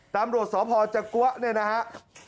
ตามรวจสอบภจัก๊วะเนี่ยนะครับ